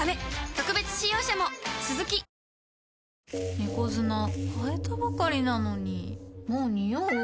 猫砂替えたばかりなのにもうニオう？